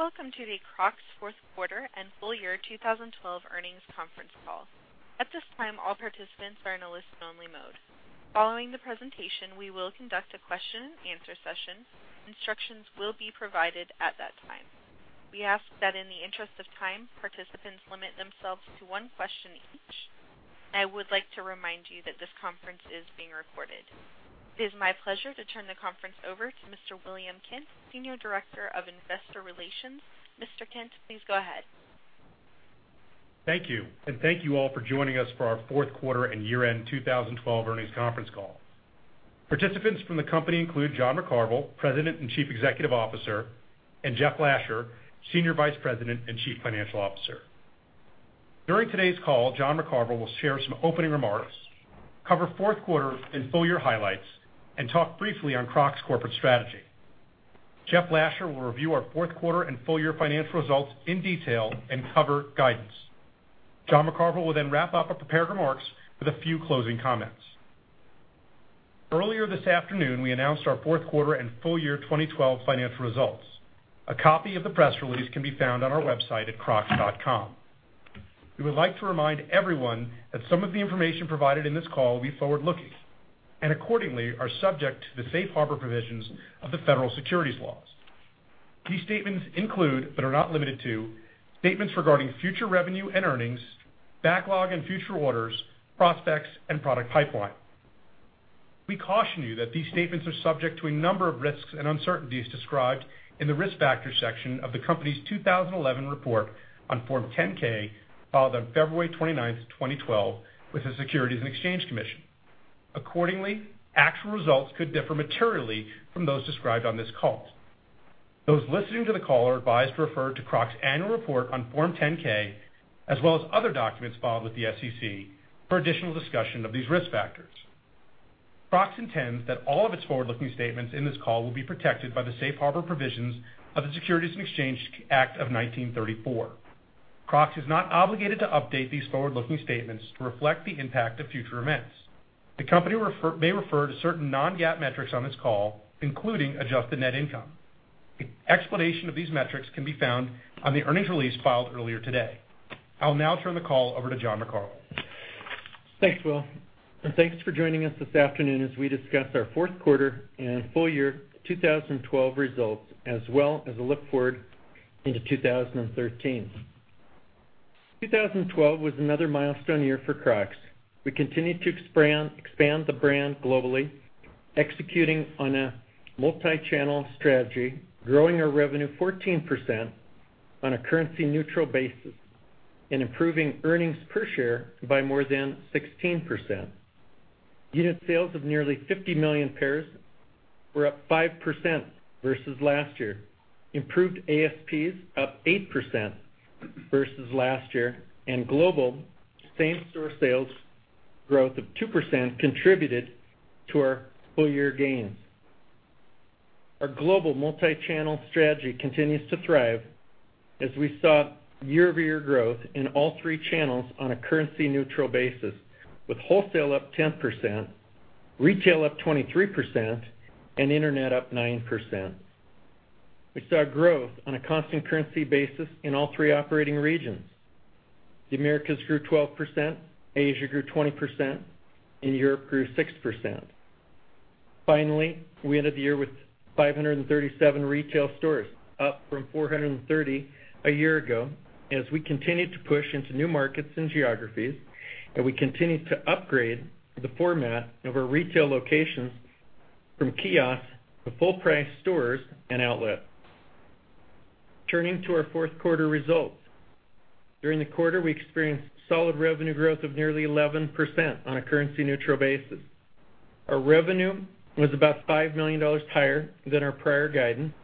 Welcome to the Crocs fourth quarter and full year 2012 earnings conference call. At this time, all participants are in a listen only mode. Following the presentation, we will conduct a question and answer session. Instructions will be provided at that time. We ask that in the interest of time, participants limit themselves to one question each. I would like to remind you that this conference is being recorded. It is my pleasure to turn the conference over to Mr. William Kent, Senior Director of Investor Relations. Mr. Kent, please go ahead. Thank you, and thank you all for joining us for our fourth quarter and year-end 2012 earnings conference call. Participants from the company include John McCarvel, President and Chief Executive Officer, and Jeff Lasher, Senior Vice President and Chief Financial Officer. During today's call, John McCarvel will share some opening remarks, cover fourth quarter and full year highlights, and talk briefly on Crocs corporate strategy. Jeff Lasher will review our fourth quarter and full year financial results in detail and cover guidance. John McCarvel will wrap up our prepared remarks with a few closing comments. Earlier this afternoon, we announced our fourth quarter and full year 2012 financial results. A copy of the press release can be found on our website at crocs.com. We would like to remind everyone that some of the information provided in this call will be forward-looking, and accordingly, are subject to the safe harbor provisions of the Federal Securities laws. These statements include, but are not limited to, statements regarding future revenue and earnings, backlog and future orders, prospects, and product pipeline. We caution you that these statements are subject to a number of risks and uncertainties described in the Risk Factors section of the company's 2011 report on Form 10-K, filed on February 29th, 2012, with the Securities and Exchange Commission. Accordingly, actual results could differ materially from those described on this call. Those listening to the call are advised to refer to Crocs' annual report on Form 10-K, as well as other documents filed with the SEC for additional discussion of these risk factors. Crocs intends that all of its forward-looking statements in this call will be protected by the safe harbor provisions of the Securities and Exchange Act of 1934. Crocs is not obligated to update these forward-looking statements to reflect the impact of future events. The company may refer to certain non-GAAP metrics on this call, including adjusted net income. An explanation of these metrics can be found on the earnings release filed earlier today. I'll now turn the call over to John McCarvel. Thanks, William Kent, and thanks for joining us this afternoon as we discuss our fourth quarter and full year 2012 results, as well as a look forward into 2013. 2012 was another milestone year for Crocs. We continued to expand the brand globally, executing on a multi-channel strategy, growing our revenue 14% on a currency neutral basis, and improving earnings per share by more than 16%. Unit sales of nearly 50 million pairs were up 5% versus last year. Improved ASPs up 8% versus last year, and global same-store sales growth of 2% contributed to our full-year gains. Our global multi-channel strategy continues to thrive as we saw year-over-year growth in all three channels on a currency neutral basis with wholesale up 10%, retail up 23%, and internet up 9%. We saw growth on a constant currency basis in all three operating regions. The Americas grew 12%, Asia grew 20%, and Europe grew 6%. Finally, we ended the year with 537 retail stores, up from 430 a year ago, as we continued to push into new markets and geographies, and we continued to upgrade the format of our retail locations from kiosks to full price stores and outlet. Turning to our fourth quarter results. During the quarter, we experienced solid revenue growth of nearly 11% on a currency neutral basis. Our revenue was about $5 million higher than our prior guidance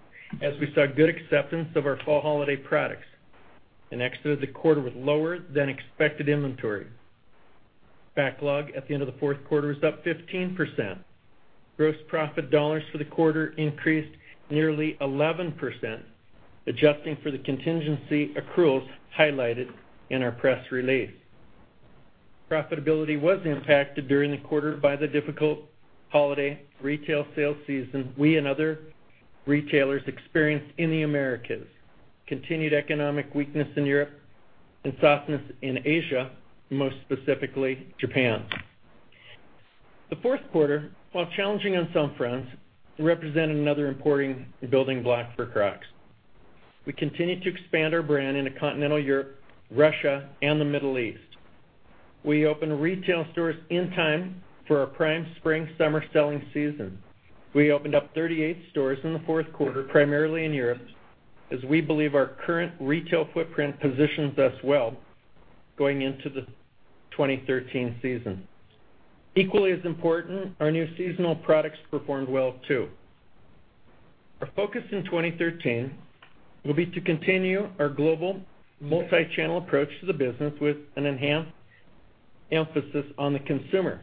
as we saw good acceptance of our fall holiday products and exited the quarter with lower than expected inventory. Backlog at the end of the fourth quarter was up 15%. Gross profit dollars for the quarter increased nearly 11%, adjusting for the contingency accruals highlighted in our press release. Profitability was impacted during the quarter by the difficult holiday retail sales season we and other retailers experienced in the Americas, continued economic weakness in Europe and softness in Asia, most specifically Japan. The fourth quarter, while challenging on some fronts, represented another important building block for Crocs. We continued to expand our brand into Continental Europe, Russia, and the Middle East. We opened retail stores in time for our prime spring/summer selling season. We opened up 38 stores in the fourth quarter, primarily in Europe, as we believe our current retail footprint positions us well going into the 2013 season. Equally as important, our new seasonal products performed well, too. Our focus in 2013 will be to continue our global multi-channel approach to the business with an enhanced emphasis on the consumer.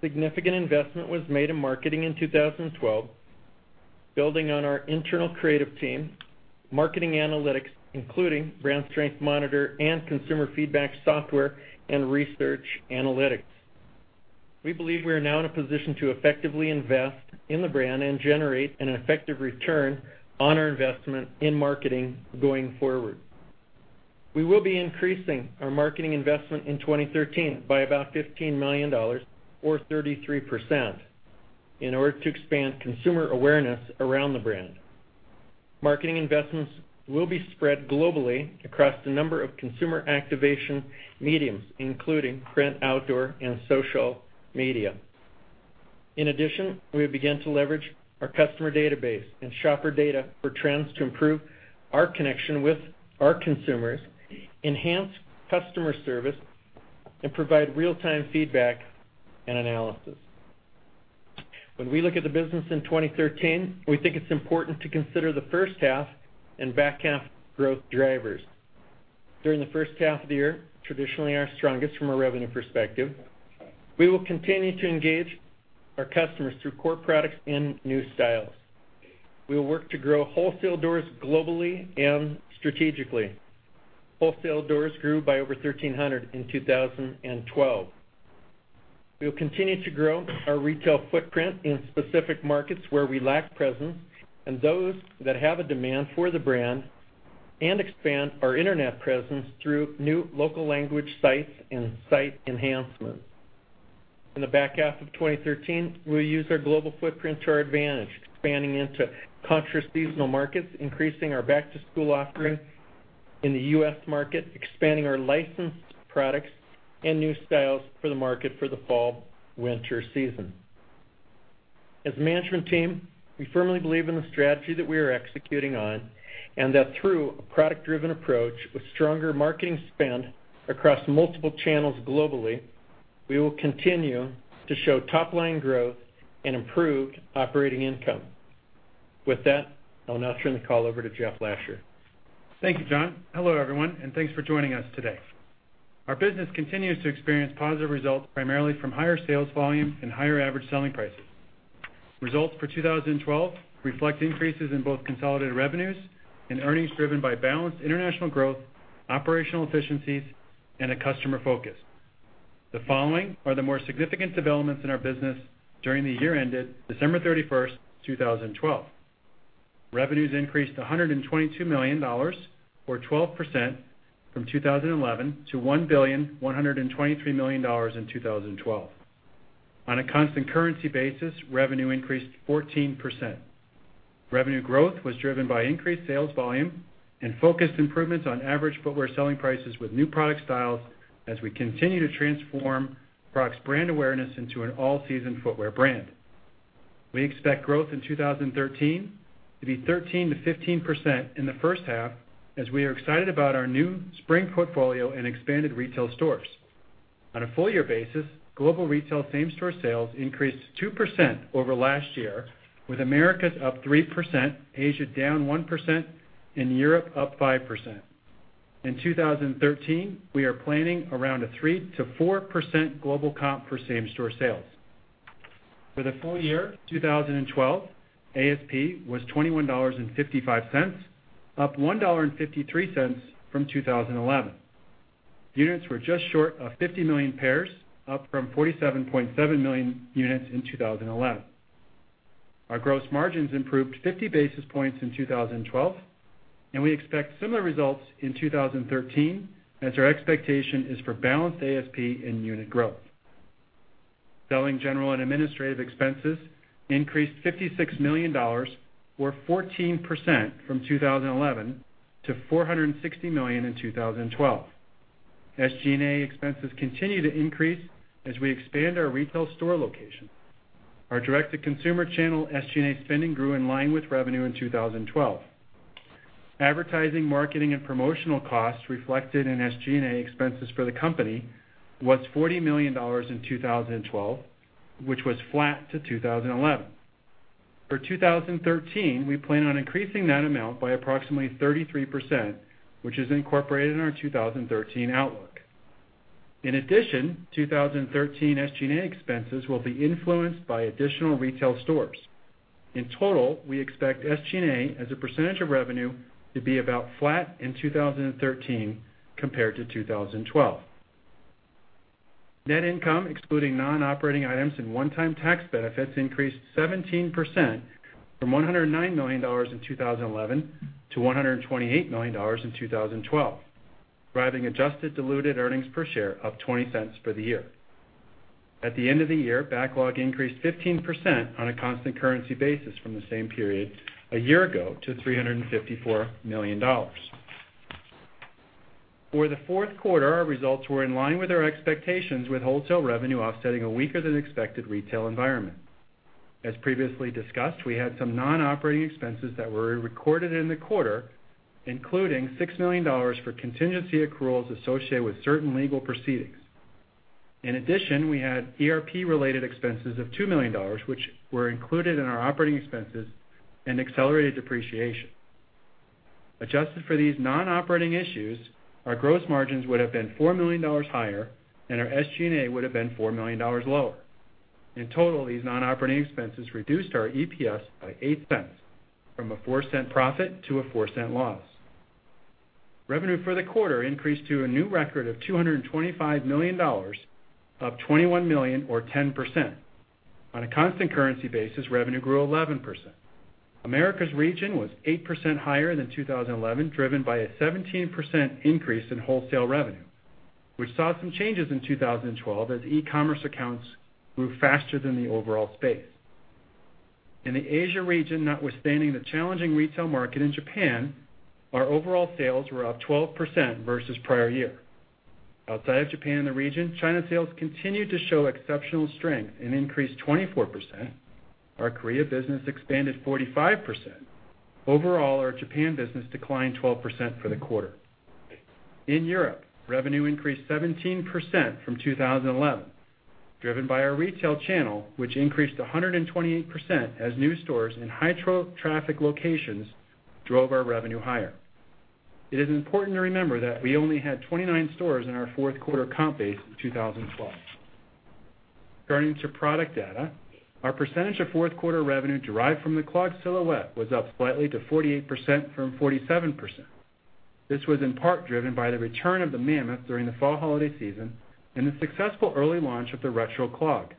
Significant investment was made in marketing in 2012, building on our internal creative team, marketing analytics, including brand strength monitor and consumer feedback software and research analytics. We believe we are now in a position to effectively invest in the brand and generate an effective return on our investment in marketing going forward. We will be increasing our marketing investment in 2013 by about $15 million or 33%, in order to expand consumer awareness around the brand. Marketing investments will be spread globally across a number of consumer activation mediums, including print, outdoor, and social media. In addition, we have begun to leverage our customer database and shopper data for trends to improve our connection with our consumers, enhance customer service, and provide real-time feedback and analysis. When we look at the business in 2013, we think it's important to consider the first half and back half growth drivers. During the first half of the year, traditionally our strongest from a revenue perspective, we will continue to engage our customers through core products and new styles. We will work to grow wholesale doors globally and strategically. Wholesale doors grew by over 1,300 in 2012. We will continue to grow our retail footprint in specific markets where we lack presence and those that have a demand for the brand and expand our internet presence through new local language sites and site enhancements. In the back half of 2013, we'll use our global footprint to our advantage, expanding into contraseasonal markets, increasing our back-to-school offerings in the U.S. market, expanding our licensed products and new styles for the market for the fall/winter season. As a management team, we firmly believe in the strategy that we are executing on, and that through a product-driven approach with stronger marketing spend across multiple channels globally, we will continue to show top-line growth and improved operating income. With that, I'll now turn the call over to Jeff Lasher. Thank you, John. Hello, everyone, thanks for joining us today. Our business continues to experience positive results primarily from higher sales volume and higher average selling prices. Results for 2012 reflect increases in both consolidated revenues and earnings driven by balanced international growth, operational efficiencies, and a customer focus. The following are the more significant developments in our business during the year ended December 31st, 2012. Revenues increased to $122 million, or 12%, from 2011 to $1,123 million in 2012. On a constant currency basis, revenue increased 14%. Revenue growth was driven by increased sales volume and focused improvements on average footwear selling prices with new product styles as we continue to transform Crocs brand awareness into an all-season footwear brand. We expect growth in 2013 to be 13%-15% in the first half as we are excited about our new spring portfolio and expanded retail stores. On a full-year basis, global retail same-store sales increased 2% over last year, with Americas up 3%, Asia down 1%, Europe up 5%. In 2013, we are planning around a 3%-4% global comp for same-store sales. For the full year 2012, ASP was $21.55, up $1.53 from 2011. Units were just short of 50 million pairs, up from 47.7 million units in 2011. Our gross margins improved 50 basis points in 2012, we expect similar results in 2013, as our expectation is for balanced ASP and unit growth. Selling general and administrative expenses increased $56 million, or 14%, from 2011 to $460 million in 2012. SG&A expenses continue to increase as we expand our retail store location. Our direct-to-consumer channel SG&A spending grew in line with revenue in 2012. Advertising, marketing, and promotional costs reflected in SG&A expenses for the company was $40 million in 2012, which was flat to 2011. For 2013, we plan on increasing that amount by approximately 33%, which is incorporated in our 2013 outlook. In addition, 2013 SG&A expenses will be influenced by additional retail stores. In total, we expect SG&A as a percentage of revenue to be about flat in 2013 compared to 2012. Net income, excluding non-operating items and one-time tax benefits, increased 17%, from $109 million in 2011 to $128 million in 2012, driving adjusted diluted earnings per share up $0.20 for the year. At the end of the year, backlog increased 15% on a constant currency basis from the same period a year ago to $354 million. For the fourth quarter, our results were in line with our expectations with wholesale revenue offsetting a weaker-than-expected retail environment. As previously discussed, we had some non-operating expenses that were recorded in the quarter, including $6 million for contingency accruals associated with certain legal proceedings. In addition, we had ERP-related expenses of $2 million, which were included in our operating expenses and accelerated depreciation. Adjusted for these non-operating issues, our gross margins would have been $4 million higher and our SG&A would have been $4 million lower. In total, these non-operating expenses reduced our EPS by $0.08, from a $0.04 profit to a $0.04 loss. Revenue for the quarter increased to a new record of $225 million, up $21 million or 10%. On a constant currency basis, revenue grew 11%. Americas region was 8% higher than 2011, driven by a 17% increase in wholesale revenue. We saw some changes in 2012 as e-commerce accounts grew faster than the overall space. In the Asia region, notwithstanding the challenging retail market in Japan, our overall sales were up 12% versus the prior year. Outside of Japan in the region, China sales continued to show exceptional strength and increased 24%. Our Korea business expanded 45%. Overall, our Japan business declined 12% for the quarter. In Europe, revenue increased 17% from 2011, driven by our retail channel, which increased 128% as new stores in high traffic locations drove our revenue higher. It is important to remember that we only had 29 stores in our fourth quarter comp base in 2012. Turning to product data, our percentage of fourth quarter revenue derived from the clog silhouette was up slightly to 48% from 47%. This was in part driven by the return of the Mammoth during the fall holiday season and the successful early launch of the Retro Clog.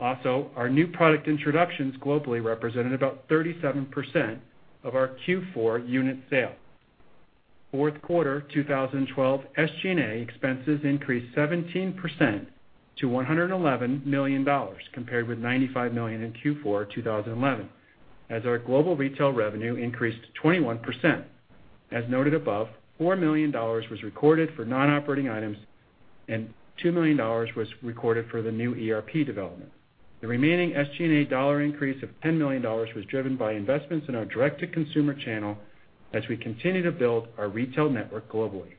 Our new product introductions globally represented about 37% of our Q4 unit sale. Fourth quarter 2012 SG&A expenses increased 17% to $111 million, compared with $95 million in Q4 2011, as our global retail revenue increased 21%. As noted above, $4 million was recorded for non-operating items, and $2 million was recorded for the new ERP development. The remaining SG&A dollar increase of $10 million was driven by investments in our direct-to-consumer channel as we continue to build our retail network globally.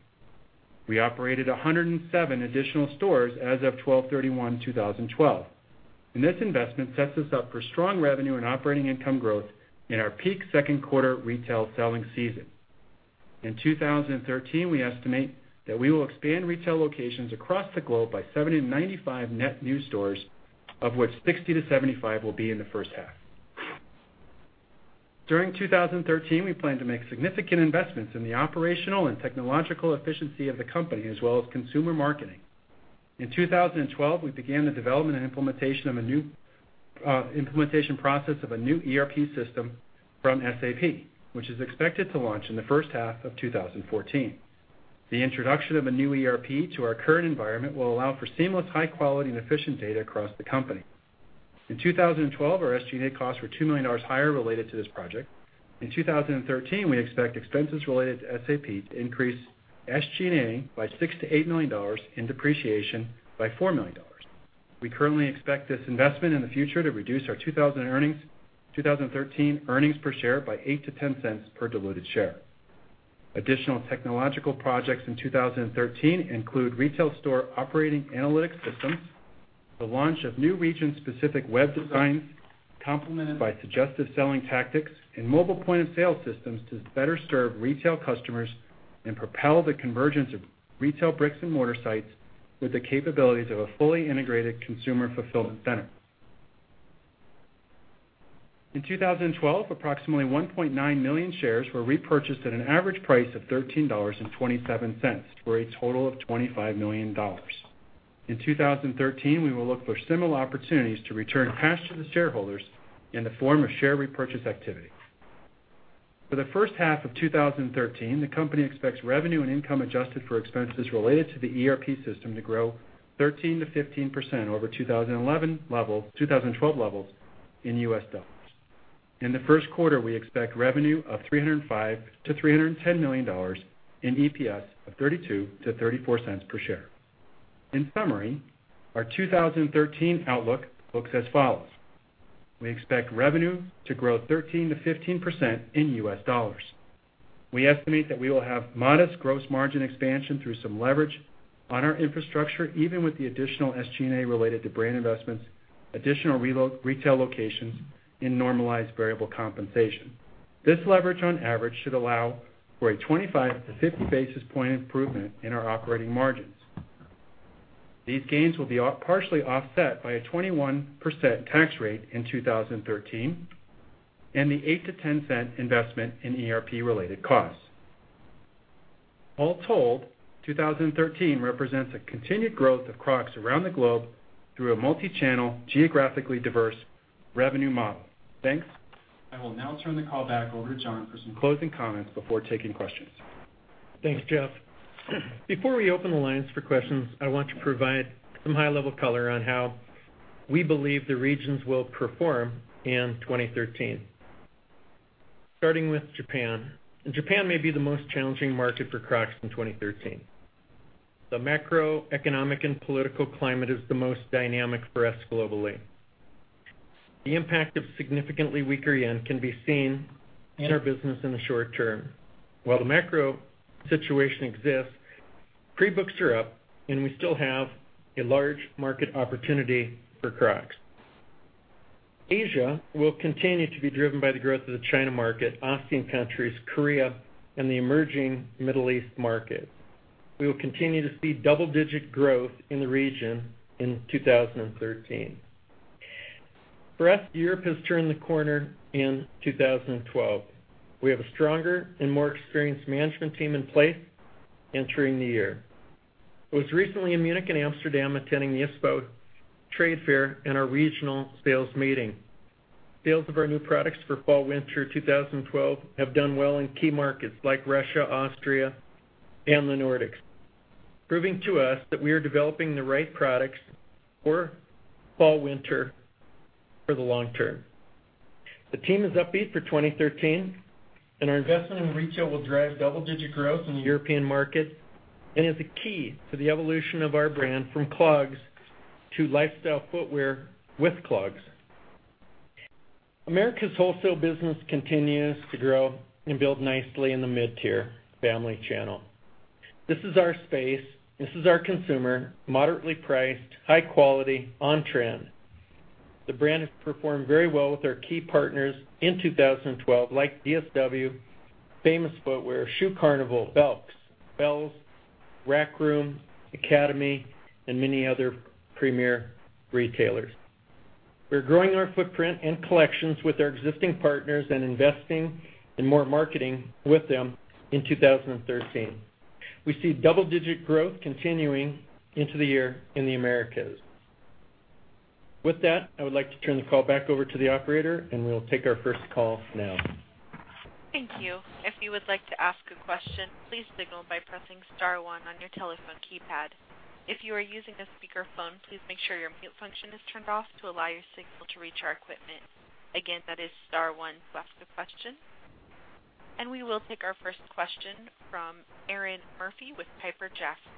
We operated 107 additional stores as of 12/31/2012, and this investment sets us up for strong revenue and operating income growth in our peak second quarter retail selling season. In 2013, we estimate that we will expand retail locations across the globe by 70 to 95 net new stores, of which 60 to 75 will be in the first half. During 2013, we plan to make significant investments in the operational and technological efficiency of the company, as well as consumer marketing. In 2012, we began the development and implementation process of a new ERP system from SAP, which is expected to launch in the first half of 2014. The introduction of a new ERP to our current environment will allow for seamless, high quality, and efficient data across the company. In 2012, our SG&A costs were $2 million higher related to this project. In 2013, we expect expenses related to SAP to increase SG&A by $6 million-$8 million and depreciation by $4 million. We currently expect this investment in the future to reduce our 2013 earnings per share by $0.08-$0.10 per diluted share. Additional technological projects in 2013 include retail store operating analytics systems, the launch of new region-specific web designs, complemented by suggestive selling tactics and mobile point-of-sale systems to better serve retail customers and propel the convergence of retail bricks and mortar sites with the capabilities of a fully integrated consumer fulfillment center. In 2012, approximately 1.9 million shares were repurchased at an average price of $13.27 for a total of $25 million. In 2013, we will look for similar opportunities to return cash to the shareholders in the form of share repurchase activity. For the first half of 2013, the company expects revenue and income adjusted for expenses related to the ERP system to grow 13%-15% over 2012 levels in US dollars. In the first quarter, we expect revenue of $305 million-$310 million, and EPS of $0.32-$0.34 per share. In summary, our 2013 outlook looks as follows. We expect revenue to grow 13%-15% in US dollars. We estimate that we will have modest gross margin expansion through some leverage on our infrastructure, even with the additional SG&A related to brand investments, additional retail locations, and normalized variable compensation. This leverage on average should allow for a 25-50 basis point improvement in our operating margins. These gains will be partially offset by a 21% tax rate in 2013 and the $0.08-$0.10 investment in ERP related costs. All told, 2013 represents a continued growth of Crocs around the globe through a multi-channel, geographically diverse revenue model. Thanks. I will now turn the call back over to John for some closing comments before taking questions. Thanks, Jeff. Before we open the lines for questions, I want to provide some high-level color on how we believe the regions will perform in 2013. Starting with Japan. Japan may be the most challenging market for Crocs in 2013. The macroeconomic and political climate is the most dynamic for us globally. The impact of significantly weaker yen can be seen in our business in the short term. While the macro situation exists, pre-books are up, and we still have a large market opportunity for Crocs. Asia will continue to be driven by the growth of the China market, ASEAN countries, Korea, and the emerging Middle East market. We will continue to see double-digit growth in the region in 2013. For us, Europe has turned the corner in 2012. We have a stronger and more experienced management team in place entering the year. I was recently in Munich and Amsterdam attending the ISPO trade fair and our regional sales meeting. Sales of our new products for fall/winter 2012 have done well in key markets like Russia, Austria, and the Nordics, proving to us that we are developing the right products for fall/winter for the long term. The team is upbeat for 2013. Our investment in retail will drive double-digit growth in the European market and is a key to the evolution of our brand from clogs to lifestyle footwear with clogs. America's wholesale business continues to grow and build nicely in the mid-tier family channel. This is our space. This is our consumer, moderately priced, high quality, on-trend. The brand has performed very well with our key partners in 2012, like DSW, Famous Footwear, Shoe Carnival, Belk, Rack Room, Academy, and many other premier retailers. We're growing our footprint and collections with our existing partners and investing in more marketing with them in 2013. We see double-digit growth continuing into the year in the Americas. With that, I would like to turn the call back over to the operator. We'll take our first call now. Thank you. If you would like to ask a question, please signal by pressing *1 on your telephone keypad. If you are using a speakerphone, please make sure your mute function is turned off to allow your signal to reach our equipment. Again, that is *1 to ask a question. We will take our first question from Erinn Murphy with Piper Jaffray.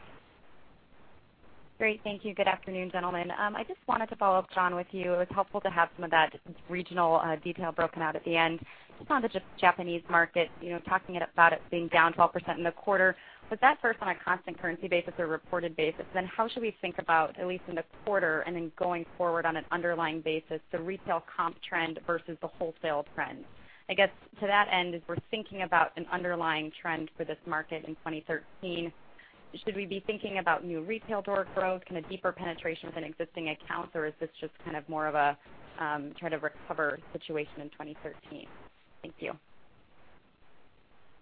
Great, thank you. Good afternoon, gentlemen. I just wanted to follow up, John, with you. It was helpful to have some of that regional detail broken out at the end. Just on the Japanese market, talking about it being down 12% in the quarter. Was that first on a constant currency basis or a reported basis? How should we think about, at least in the quarter and then going forward on an underlying basis, the retail comp trend versus the wholesale trend? I guess, to that end, as we're thinking about an underlying trend for this market in 2013, should we be thinking about new retail door growth, kind of deeper penetration within existing accounts, or is this just kind of more of a try to recover situation in 2013? Thank you.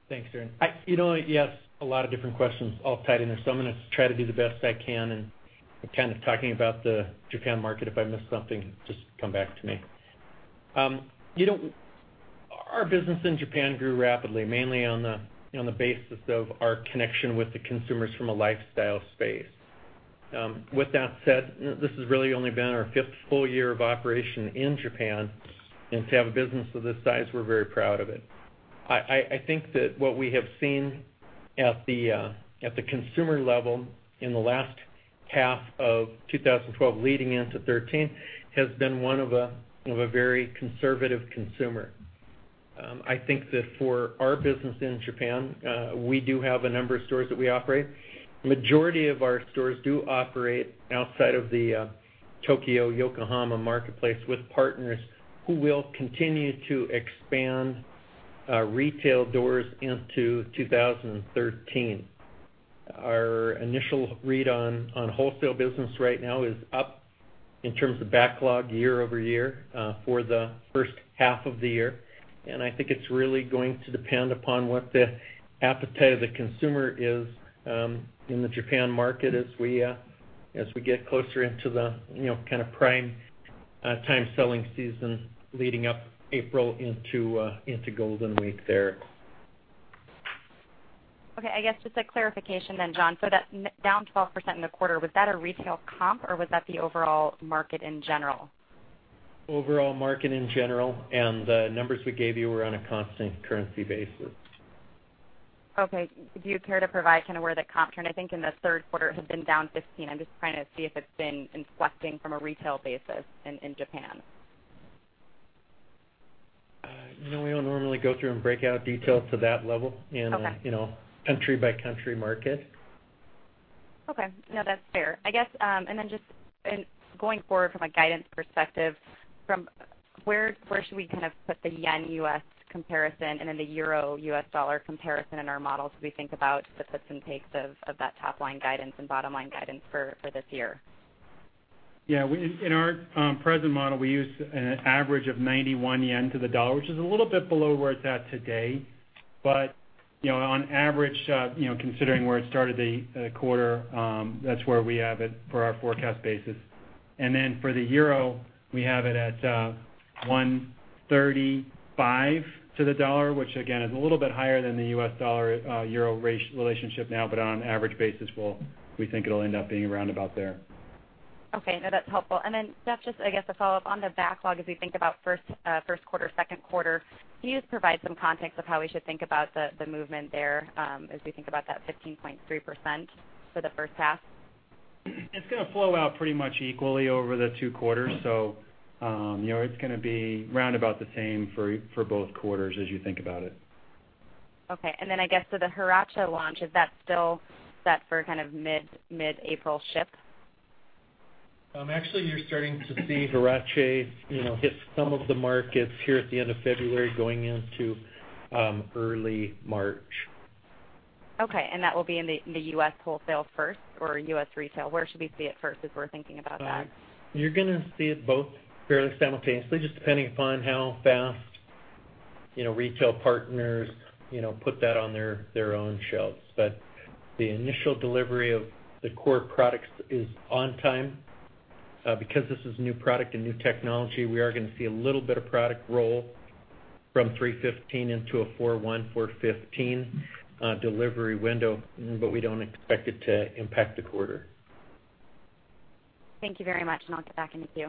Thanks, Erinn. You asked a lot of different questions all tied in there, I'm going to try to do the best I can in kind of talking about the Japan market. If I miss something, just come back to me. Our business in Japan grew rapidly, mainly on the basis of our connection with the consumers from a lifestyle space. With that said, this has really only been our fifth full year of operation in Japan, and to have a business of this size, we're very proud of it. I think that what we have seen at the consumer level in the last half of 2012 leading into 2013, has been one of a very conservative consumer. I think that for our business in Japan, we do have a number of stores that we operate. The majority of our stores do operate outside of the Tokyo-Yokohama marketplace with partners who will continue to expand retail doors into 2013. Our initial read on wholesale business right now is up in terms of backlog year-over-year for the first half of the year, I think it's really going to depend upon what the appetite of the consumer is in the Japan market as we get closer into the kind of prime time selling season leading up April into Golden Week there. Okay. I guess just a clarification then, John. That down 12% in the quarter, was that a retail comp, or was that the overall market in general? Overall market in general, the numbers we gave you were on a constant currency basis. Okay. Do you care to provide kind of where that comp trend, I think in the third quarter, had been down 15? I'm just trying to see if it's been inflecting from a retail basis in Japan. We don't normally go through and break out details to that level in- Okay country by country market. Okay. No, that's fair. I guess, just going forward from a guidance perspective, where should we kind of put the JPY/U.S. comparison and the EUR/U.S. dollar comparison in our models as we think about the gives and takes of that top-line guidance and bottom-line guidance for this year? In our present model, we use an average of 91 yen to the dollar, which is a little bit below where it's at today. On average, considering where it started the quarter, that's where we have it for our forecast basis. For the euro, we have it at 135 to the dollar, which again, is a little bit higher than the U.S. dollar/euro relationship now. On an average basis, we think it'll end up being around about there. Okay. No, that's helpful. Just, I guess a follow-up on the backlog as we think about first quarter, second quarter. Can you just provide some context of how we should think about the movement there as we think about that 15.3% for the first half? It's going to flow out pretty much equally over the two quarters. It's going to be around about the same for both quarters as you think about it. Okay. I guess for the Huarache launch, is that still set for kind of mid-April ship? Actually, you're starting to see Huarache hit some of the markets here at the end of February going into early March. Okay, that will be in the U.S. wholesale first or U.S. retail? Where should we see it first as we're thinking about that? You're going to see it both fairly simultaneously, just depending upon how fast retail partners put that on their own shelves. The initial delivery of the core products is on time. This is a new product and new technology, we are going to see a little bit of product roll from 3/15 into a 4/1, 4/15 delivery window, but we don't expect it to impact the quarter. Thank you very much, and I'll get back into queue.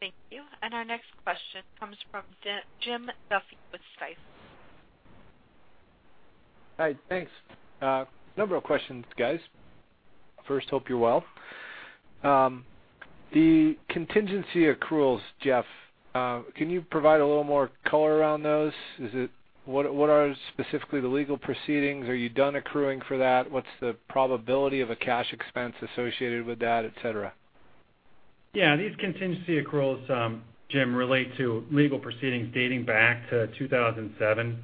Thank you. Our next question comes from Jim Duffy with Stifel. Hi, thanks. A number of questions, guys. First, hope you're well. The contingency accruals, Jeff, can you provide a little more color around those? What are specifically the legal proceedings? Are you done accruing for that? What's the probability of a cash expense associated with that, et cetera? Yeah. These contingency accruals, Jim, relate to legal proceedings dating back to 2007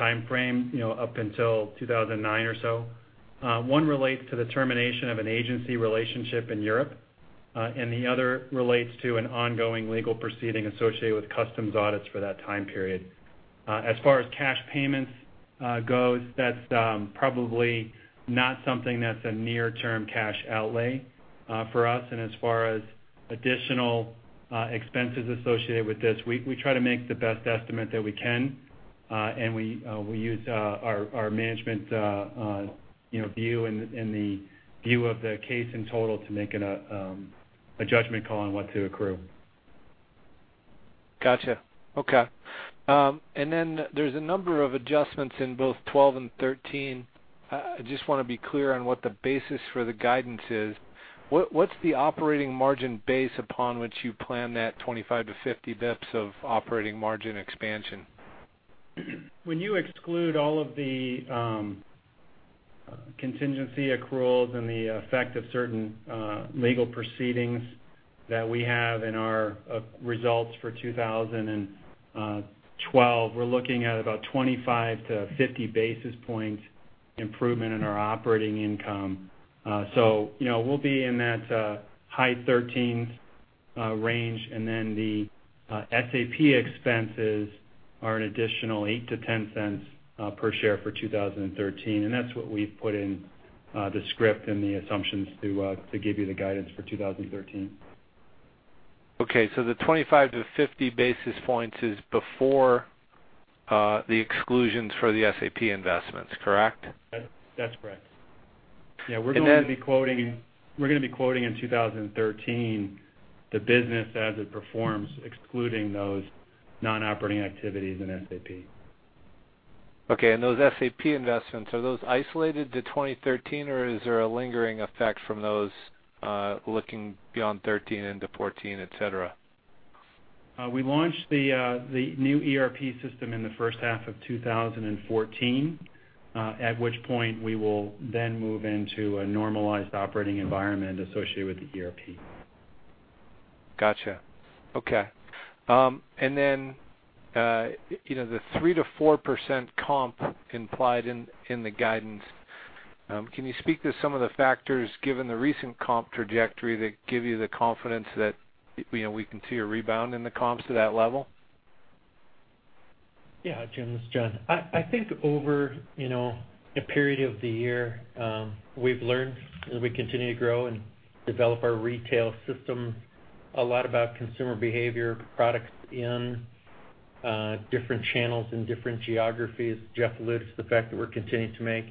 timeframe up until 2009 or so. One relates to the termination of an agency relationship in Europe, and the other relates to an ongoing legal proceeding associated with customs audits for that time period. As far as cash payments goes, that's probably not something that's a near-term cash outlay for us, and as far as additional expenses associated with this, we try to make the best estimate that we can. We use our management view and the view of the case in total to make a judgment call on what to accrue. Got you. Okay. There's a number of adjustments in both 2012 and 2013. I just want to be clear on what the basis for the guidance is. What's the operating margin base upon which you plan that 25 to 50 basis points of operating margin expansion? When you exclude all of the contingency accruals and the effect of certain legal proceedings that we have in our results for 2012, we're looking at about 25 to 50 basis point improvement in our operating income. We'll be in that high-thirteens range. The SAP expenses are an additional $0.08 to $0.10 per share for 2013. That's what we've put in the script and the assumptions to give you the guidance for 2013. Okay, the 25 to 50 basis points is before the exclusions for the SAP investments, correct? That's correct. Yeah. And then- going to be quoting in 2013 the business as it performs, excluding those non-operating activities in SAP. Okay, those SAP investments, are those isolated to 2013, or is there a lingering effect from those looking beyond 2013 into 2014, et cetera? We launch the new ERP system in the first half of 2014, at which point we will then move into a normalized operating environment associated with the ERP. Got you. Okay. The 3%-4% comp implied in the guidance, can you speak to some of the factors, given the recent comp trajectory, that give you the confidence that we can see a rebound in the comps to that level? Yeah, Jim. This is John. I think over a period of the year, we've learned, as we continue to grow and develop our retail system, a lot about consumer behavior, products in different channels, in different geographies. Jeff alluded to the fact that we're continuing to make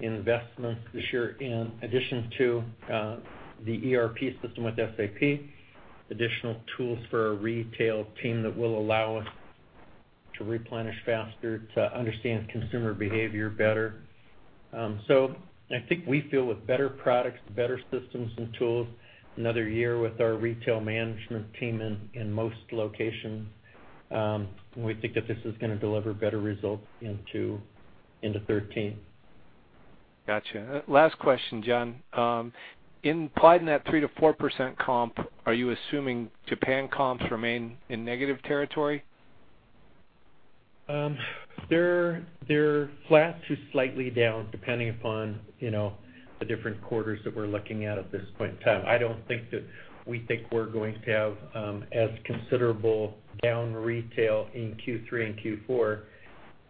investments this year in addition to the ERP system with SAP, additional tools for our retail team that will allow us to replenish faster, to understand consumer behavior better. I think we feel with better products, better systems and tools, another year with our retail management team in most locations, we think that this is going to deliver better results into 2013. Got you. Last question, John. Implied in that 3%-4% comp, are you assuming Japan comps remain in negative territory? They're flat to slightly down, depending upon the different quarters that we're looking at at this point in time. I don't think that we think we're going to have as considerable down retail in Q3 and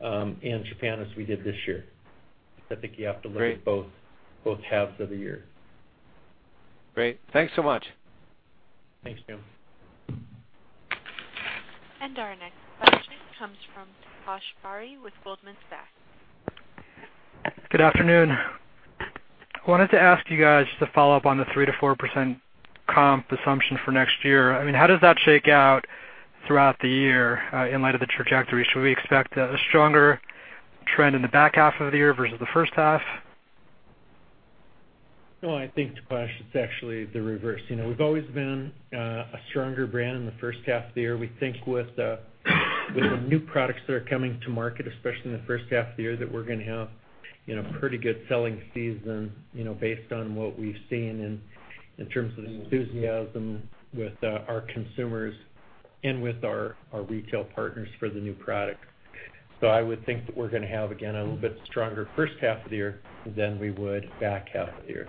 Q4 in Japan as we did this year. I think you have to look. Great at both halves of the year. Great. Thanks so much. Thanks, Jim. Our next question comes from Taposh Bari with Goldman Sachs. Good afternoon. I wanted to ask you guys to follow up on the 3%-4% comp assumption for next year. How does that shake out throughout the year in light of the trajectory? Should we expect a stronger trend in the back half of the year versus the first half? No, I think, Taposh, it's actually the reverse. We've always been a stronger brand in the first half of the year. We think with the new products that are coming to market, especially in the first half of the year, that we're going to have a pretty good selling season based on what we've seen in terms of enthusiasm with our consumers and with our retail partners for the new products. I would think that we're going to have, again, a little bit stronger first half of the year than we would back half of the year.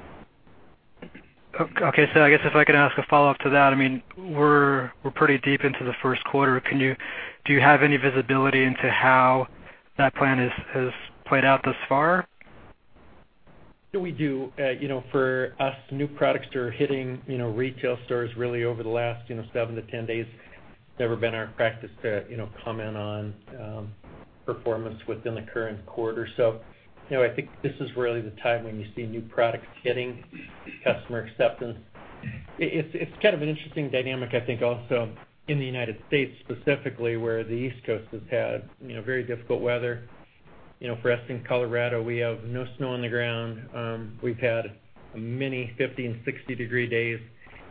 Okay. I guess if I could ask a follow-up to that, we're pretty deep into the first quarter. Do you have any visibility into how that plan has played out thus far? Yeah, we do. For us, new products are hitting retail stores really over the last 7-10 days. It's never been our practice to comment on performance within the current quarter. I think this is really the time when you see new products getting customer acceptance. It's kind of an interesting dynamic, I think, also in the United States, specifically, where the East Coast has had very difficult weather. For us in Colorado, we have no snow on the ground. We've had many 50 and 60 degree days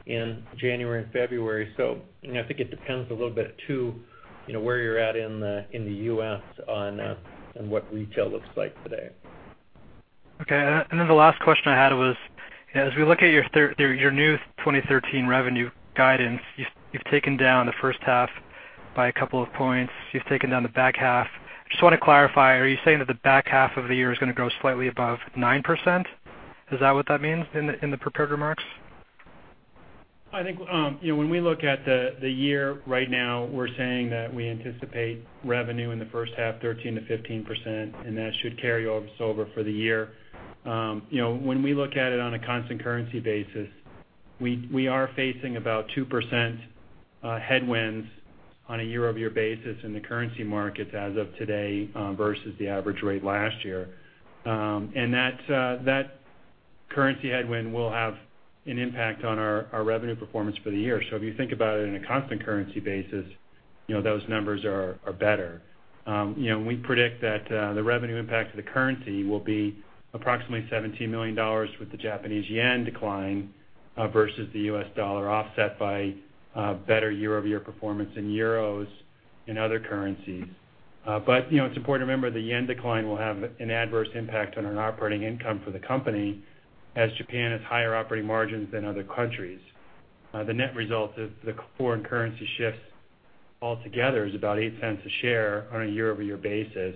in January and February. I think it depends a little bit, too, where you're at in the U.S. on what retail looks like today. Okay. The last question I had was, as we look at your new 2013 revenue guidance, you've taken down the first half by a couple of points. You've taken down the back half. Just want to clarify, are you saying that the back half of the year is going to grow slightly above 9%? Is that what that means in the prepared remarks? I think when we look at the year right now, we're saying that we anticipate revenue in the first half, 13%-15%, and that should carry us over for the year. When we look at it on a constant currency basis, we are facing about 2% headwinds on a year-over-year basis in the currency markets as of today versus the average rate last year. That currency headwind will have an impact on our revenue performance for the year. If you think about it in a constant currency basis, those numbers are better. We predict that the revenue impact of the currency will be approximately $17 million with the Japanese yen decline versus the US dollar offset by better year-over-year performance in euros and other currencies. It's important to remember the yen decline will have an adverse impact on our operating income for the company, as Japan has higher operating margins than other countries. The net result of the foreign currency shifts altogether is about $0.08 a share on a year-over-year basis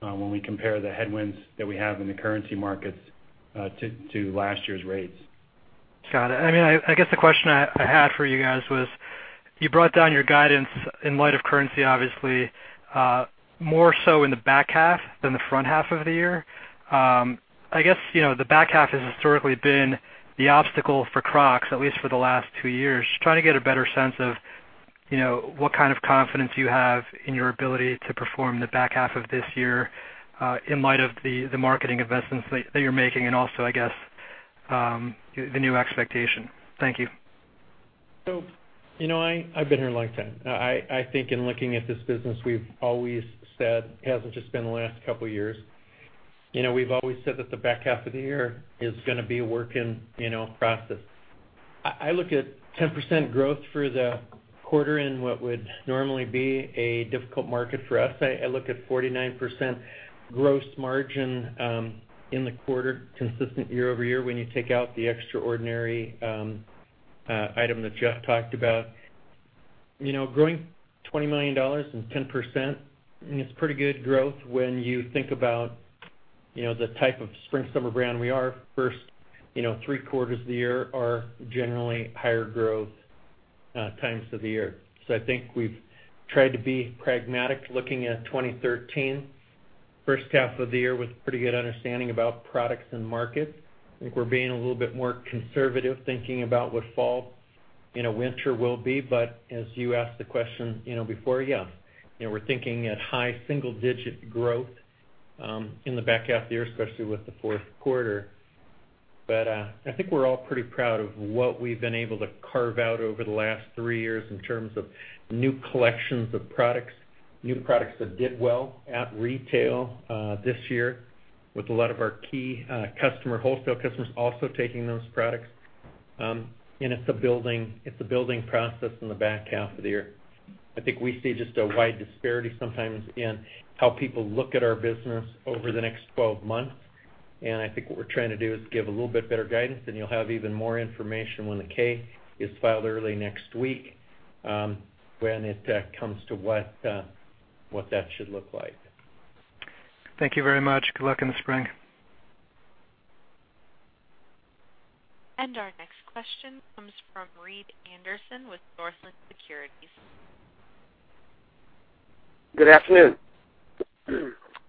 when we compare the headwinds that we have in the currency markets to last year's rates. Got it. I guess the question I had for you guys was, you brought down your guidance in light of currency, obviously, more so in the back half than the front half of the year. I guess the back half has historically been the obstacle for Crocs, at least for the last two years. Just trying to get a better sense of what kind of confidence you have in your ability to perform the back half of this year in light of the marketing investments that you're making and also, I guess, the new expectation. Thank you. I've been here a long time. I think in looking at this business, we've always said it hasn't just been the last couple of years. We've always said that the back half of the year is going to be a work in process. I look at 10% growth for the quarter in what would normally be a difficult market for us. I look at 49% gross margin in the quarter consistent year-over-year when you take out the extraordinary item that Jeff talked about. Growing $20 million and 10% is pretty good growth when you think about the type of spring/summer brand we are. First three quarters of the year are generally higher growth times of the year. I think we've tried to be pragmatic looking at 2013. First half of the year with pretty good understanding about products and markets. I think we're being a little bit more conservative thinking about what fall and winter will be. As you asked the question before, yeah, we're thinking at high single-digit growth in the back half of the year, especially with the fourth quarter. I think we're all pretty proud of what we've been able to carve out over the last three years in terms of new collections of products, new products that did well at retail this year with a lot of our key wholesale customers also taking those products. It's a building process in the back half of the year. I think we see just a wide disparity sometimes in how people look at our business over the next 12 months. I think what we're trying to do is give a little bit better guidance, and you'll have even more information when the K is filed early next week when it comes to what that should look like. Thank you very much. Good luck in the spring. Our next question comes from Reed Anderson with Northland Securities. Good afternoon.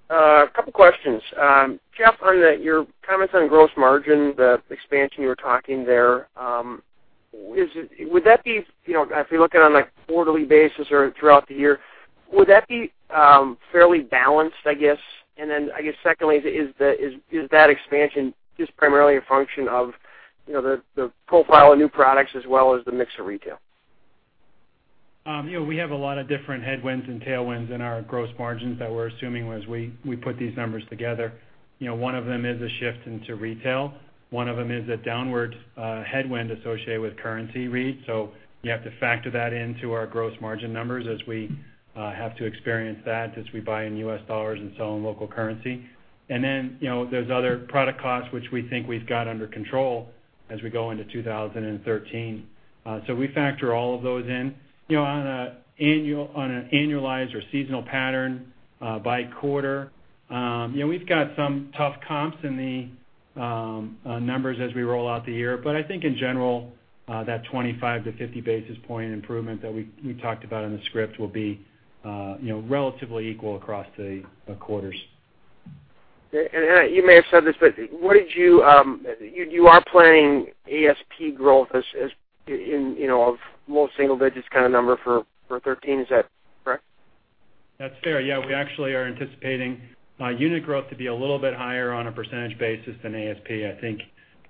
A couple questions. Jeff, on your comments on gross margin, the expansion you were talking there, if you're looking on a quarterly basis or throughout the year, would that be fairly balanced, I guess? I guess secondly, is that expansion just primarily a function of the profile of new products as well as the mix of retail? We have a lot of different headwinds and tailwinds in our gross margins that we're assuming as we put these numbers together. One of them is a shift into retail. One of them is a downward headwind associated with currency, Reed. You have to factor that into our gross margin numbers as we have to experience that as we buy in U.S. dollars and sell in local currency. There's other product costs, which we think we've got under control as we go into 2013. We factor all of those in. On an annualized or seasonal pattern by quarter, we've got some tough comps in the numbers as we roll out the year. I think in general, that 25-50 basis point improvement that we talked about in the script will be relatively equal across the quarters. You may have said this, you are planning ASP growth of low single digits kind of number for 2013, is that correct? That's fair. Yeah, we actually are anticipating unit growth to be a little bit higher on a percentage basis than ASP. I think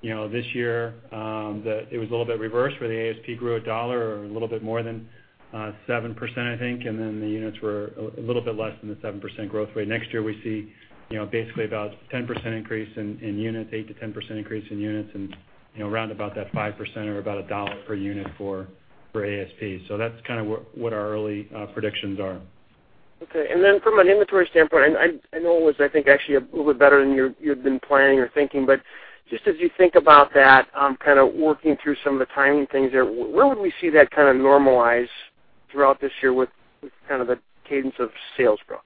this year, it was a little bit reversed where the ASP grew $1 or a little bit more than 7%, I think, the units were a little bit less than the 7% growth rate. Next year, we see basically about 10% increase in units, 8%-10% increase in units, and around about that 5% or about $1 per unit for ASP. That's kind of what our early predictions are. Okay. From an inventory standpoint, I know it was, I think, actually a little bit better than you had been planning or thinking, but just as you think about that, kind of working through some of the timing things there, where would we see that kind of normalize throughout this year with kind of the cadence of sales growth?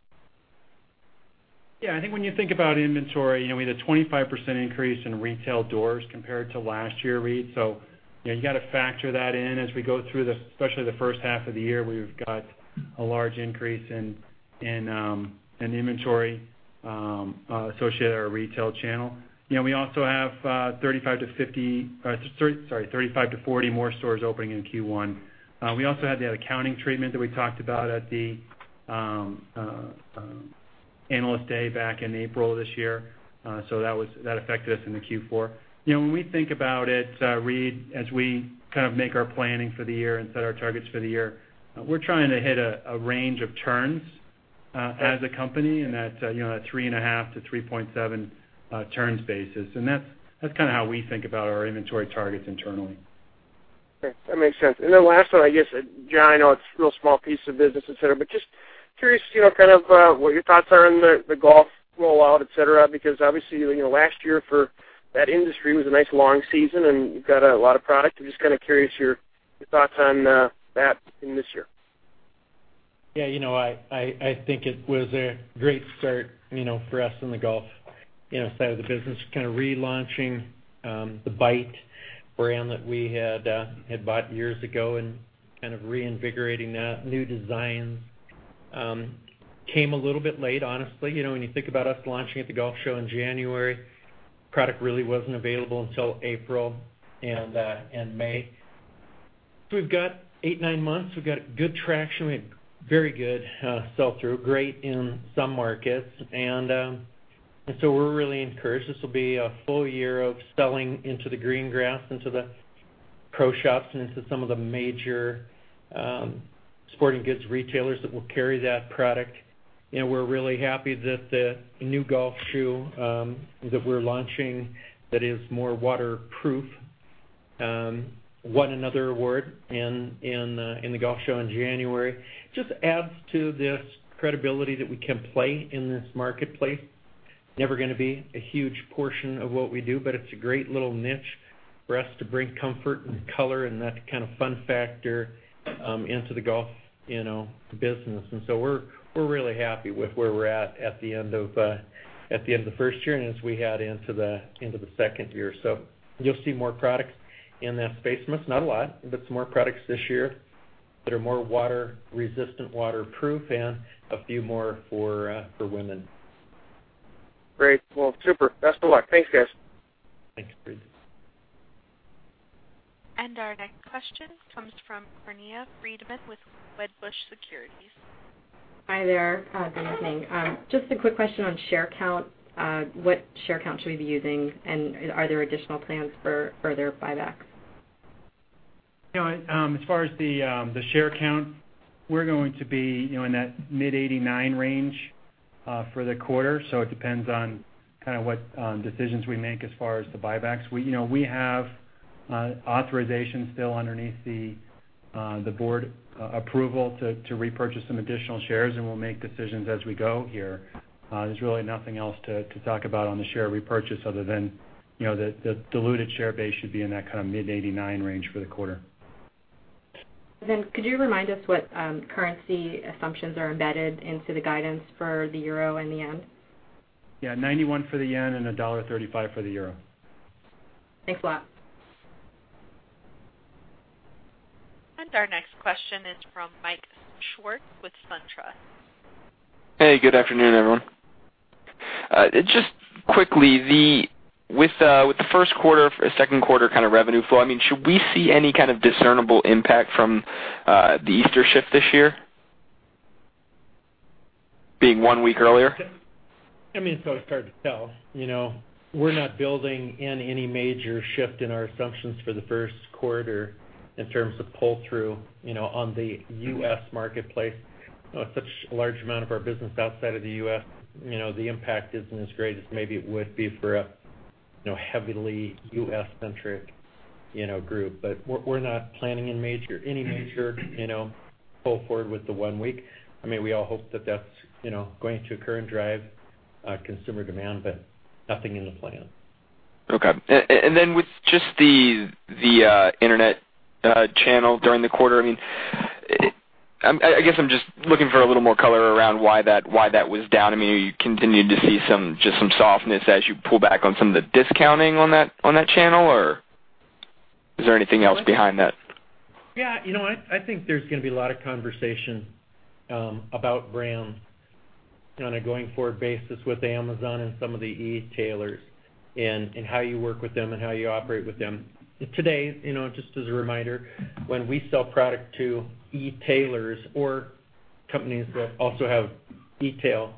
Yeah, I think when you think about inventory, we had a 25% increase in retail doors compared to last year, Reed. You got to factor that in as we go through, especially the first half of the year, we've got a large increase in inventory associated with our retail channel. We also have 35-40 more stores opening in Q1. We also had the accounting treatment that we talked about at the analyst day back in April of this year. That affected us in the Q4. When we think about it, Reed, as we kind of make our planning for the year and set our targets for the year, we're trying to hit a range of turns as a company, and that 3.5-3.7 turns basis. That's kind of how we think about our inventory targets internally. Okay, that makes sense. Last one, I guess, John, I know it's real small piece of business, et cetera, but just curious kind of what your thoughts are on the golf rollout, et cetera, because obviously, last year for that industry was a nice long season, and you've got a lot of product. I'm just kind of curious your thoughts on that in this year. Yeah, I think it was a great start for us in the golf side of the business, kind of relaunching the Bite brand that we had bought years ago and kind of reinvigorating that. New designs came a little bit late, honestly. When you think about us launching at the golf show in January, product really wasn't available until April and May. We've got eight, nine months. We've got good traction. We had very good sell-through. Great in some markets. We're really encouraged. This will be a full year of selling into the green grass, into the pro shops, and into some of the major sporting goods retailers that will carry that product. We're really happy that the new golf shoe that we're launching that is more waterproof won another award in the golf show in January. Just adds to this credibility that we can play in this marketplace. Never gonna be a huge portion of what we do, but it's a great little niche for us to bring comfort and color and that kind of fun factor into the golf business. We're really happy with where we're at the end of the first year and as we head into the second year. You'll see more products in that space. Not a lot, but some more products this year that are more water-resistant, waterproof, and a few more for women. Great. Well, super. Best of luck. Thanks, guys. Thanks, Reed. Our next question comes from Corinna Freedman with Wedbush Securities. Hi there. Good evening. Just a quick question on share count. What share count should we be using, and are there additional plans for further buybacks? As far as the share count, we're going to be in that mid-89 range for the quarter. It depends on what decisions we make as far as the buybacks. We have authorization still underneath the board approval to repurchase some additional shares. We'll make decisions as we go here. There's really nothing else to talk about on the share repurchase other than the diluted share base should be in that kind of mid-89 range for the quarter. Could you remind us what currency assumptions are embedded into the guidance for the euro and the yen? Yeah, 91 for the JPY and $1.35 for the EUR. Thanks a lot. Our next question is from Mike Swart with SunTrust. Hey, good afternoon, everyone. Just quickly, with the first quarter, second quarter kind of revenue flow, should we see any kind of discernible impact from the Easter shift this year? Being one week earlier? I mean, it's always hard to tell. We're not building in any major shift in our assumptions for the first quarter in terms of pull-through on the U.S. marketplace. With such a large amount of our business outside of the U.S., the impact isn't as great as maybe it would be for a heavily U.S.-centric group. We're not planning any major pull forward with the one week. We all hope that that's going to occur and drive consumer demand, nothing in the plan. Okay. Then with just the internet channel during the quarter, I guess I'm just looking for a little more color around why that was down. I mean, are you continuing to see just some softness as you pull back on some of the discounting on that channel, or is there anything else behind that? Yeah. I think there's going to be a lot of conversation about brands on a going-forward basis with Amazon and some of the e-tailers, and how you work with them and how you operate with them. Today, just as a reminder, when we sell product to e-tailers or companies that also have e-tailing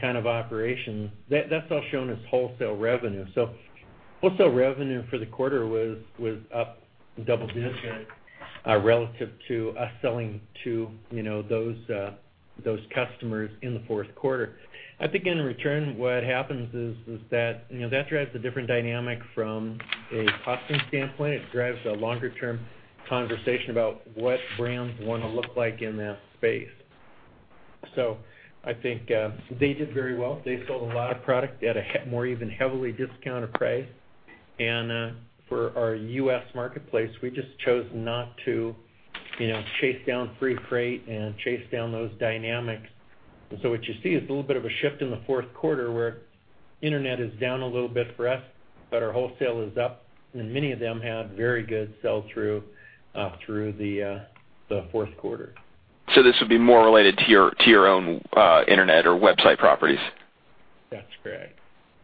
kind of operations, that's all shown as wholesale revenue. Wholesale revenue for the quarter was up double digit relative to us selling to those customers in the fourth quarter. I think in return, what happens is that drives a different dynamic from a costing standpoint. It drives a longer-term conversation about what brands want to look like in that space. I think they did very well. They sold a lot of product at a more even heavily discounted price. For our U.S. marketplace, we just chose not to chase down free freight and chase down those dynamics. What you see is a little bit of a shift in the fourth quarter where internet is down a little bit for us, but our wholesale is up, and many of them had very good sell-through through the fourth quarter. This would be more related to your own internet or website properties. That's correct.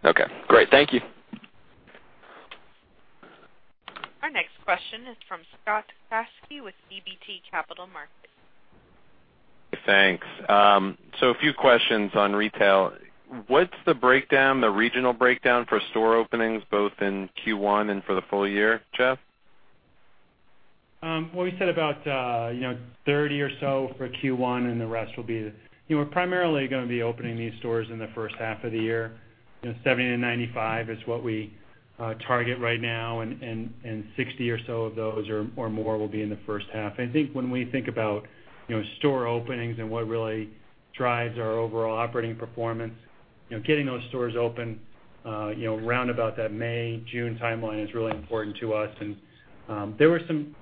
Okay, great. Thank you. Our next question is from Scott Krasik with BB&T Capital Markets. Thanks. A few questions on retail. What's the regional breakdown for store openings, both in Q1 and for the full year, Jeff? We said about 30 or so for Q1. We're primarily going to be opening these stores in the first half of the year. 70-95 is what we target right now, and 60 or so of those or more will be in the first half. I think when we think about store openings and what really drives our overall operating performance, getting those stores open around about that May, June timeline is really important to us. There were some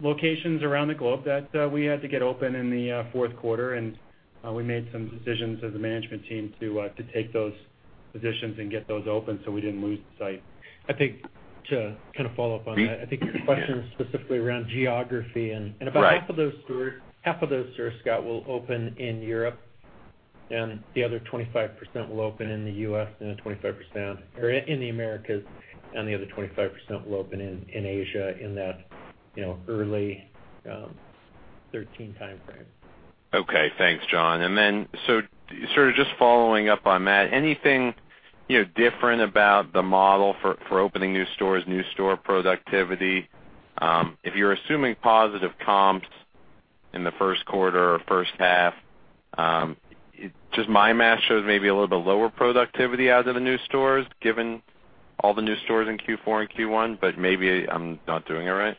locations around the globe that we had to get open in the fourth quarter, and we made some decisions as a management team to take those positions and get those open so we didn't lose the site. I think to kind of follow up on that, I think your question is specifically around geography and about- Right Half of those stores, Scott, will open in Europe. The other 25% will open in the U.S. or in the Americas, and the other 25% will open in Asia in that early 2013 timeframe. Okay, thanks, John. Sort of just following up on that, anything different about the model for opening new stores, new store productivity? If you're assuming positive comps in the first quarter or first half, just my math shows maybe a little bit lower productivity out of the new stores, given all the new stores in Q4 and Q1, but maybe I'm not doing it right.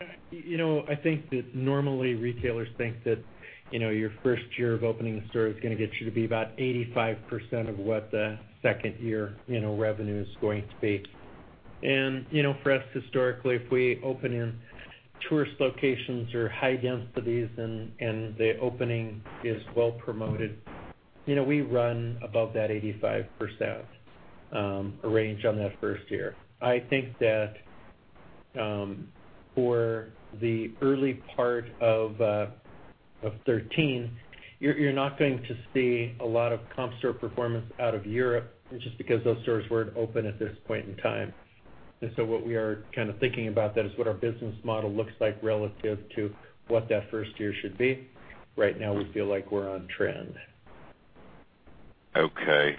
I think that normally retailers think that your first year of opening a store is going to get you to be about 85% of what the second year revenue is going to be. For us, historically, if we open in tourist locations or high densities and the opening is well promoted, we run above that 85% range on that first year. I think that for the early part of 2013, you're not going to see a lot of comp store performance out of Europe, just because those stores weren't open at this point in time. What we are kind of thinking about that is what our business model looks like relative to what that first year should be. Right now, we feel like we're on trend. Okay.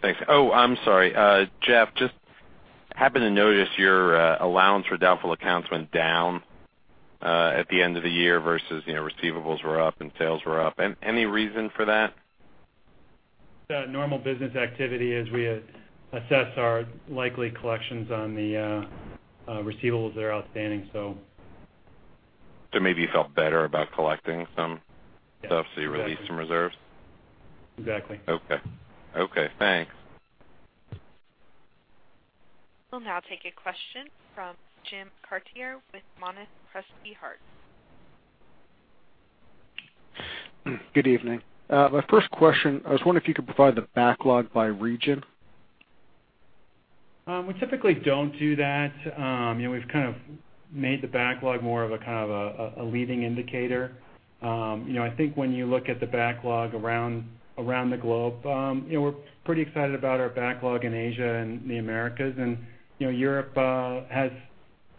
Thanks. Oh, I'm sorry. Jeff, just happened to notice your allowance for doubtful accounts went down at the end of the year versus receivables were up and sales were up. Any reason for that? Just normal business activity as we assess our likely collections on the receivables that are outstanding. Maybe you felt better about collecting some. Yes. You released some reserves. Exactly. Okay. Thanks. We'll now take a question from Jim Chartier with Monness, Crespi, Hardt. Good evening. My first question, I was wondering if you could provide the backlog by region. We typically don't do that. We've kind of made the backlog more of a kind of a leading indicator. I think when you look at the backlog around the globe, we're pretty excited about our backlog in Asia and the Americas. Europe has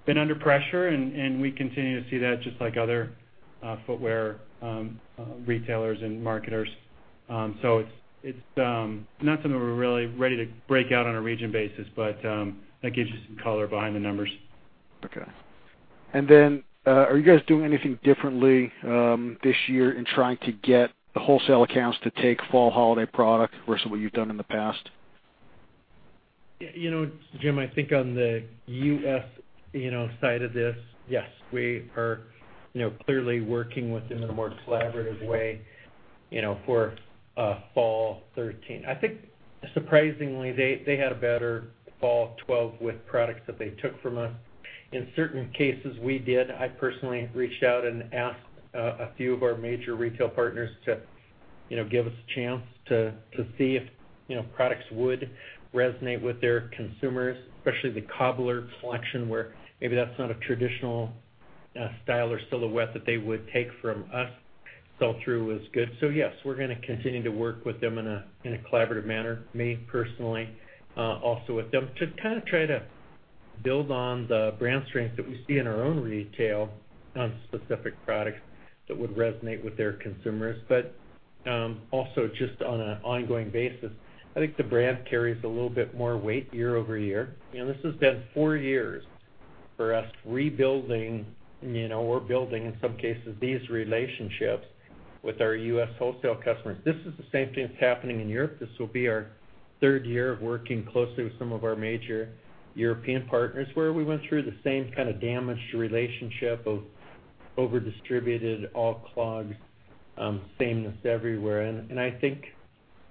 been under pressure, and we continue to see that just like other footwear retailers and marketers. It's not something we're really ready to break out on a region basis, but that gives you some color behind the numbers. Okay. Are you guys doing anything differently this year in trying to get the wholesale accounts to take fall holiday product versus what you've done in the past? Jim, I think on the U.S. side of this, yes, we are clearly working with them in a more collaborative way For fall 2013. I think surprisingly, they had a better fall 2012 with products that they took from us. In certain cases, we did. I personally reached out and asked a few of our major retail partners to give us a chance to see if products would resonate with their consumers, especially the Cobbler collection, where maybe that's not a traditional style or silhouette that they would take from us. Sell-through was good. Yes, we're going to continue to work with them in a collaborative manner. Me, personally, also with them to try to build on the brand strengths that we see in our own retail on specific products that would resonate with their consumers. Also, just on an ongoing basis, I think the brand carries a little bit more weight year-over-year. This has been four years for us rebuilding, or building, in some cases, these relationships with our U.S. wholesale customers. This is the same thing that's happening in Europe. This will be our third year of working closely with some of our major European partners, where we went through the same kind of damaged relationship of over-distributed, all Clog sameness everywhere. I think